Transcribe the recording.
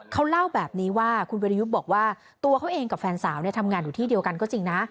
เขาเล่าแบบนี้ว่าคุณวิรยุทธ์บอกว่าตัวเขาเองกับแฟนสาวทำงานอยู่ที่เดียวกันก็จริงนะ